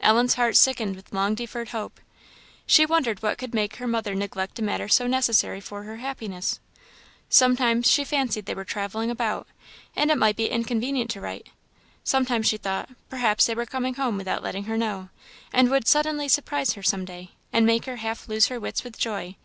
Ellen's heart sickened with long deferred hope. She wondered what could make her mother neglect a matter so necessary for her happiness; sometimes she fancied they were travelling about, and it might be inconvenient to write; sometimes she thought, perhaps they were coming home without letting her know, and would suddenly surprise her some day, and make her half lose her wits with joy.